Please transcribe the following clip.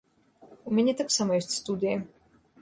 У мяне таксама ёсць студыя.